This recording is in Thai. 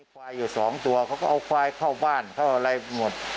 ควายอยู่สองตัวเขาก็เอาควายเข้าบ้านเข้าอะไรหมด